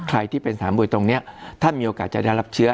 ใครที่เป็นสนามมวยตรงนี้ถ้ามีโอกาสจะได้รับเชื้อ